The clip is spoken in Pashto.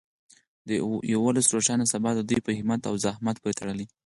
د یو ولس روښانه سبا د دوی په همت او زحمت پورې تړلې.